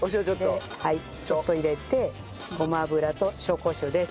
ちょっと入れてごま油と紹興酒です。